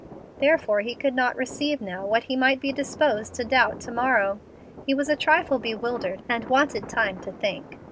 Therefore he could not receive now what he might be disposed to doubt to morrow. He was a trifle bewildered, and wanted time to think.